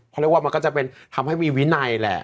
เขาเรียกว่ามันก็จะเป็นทำให้มีวินัยแหละ